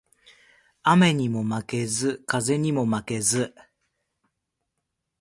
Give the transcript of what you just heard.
雨ニモ負ケズ、風ニモ負ケズ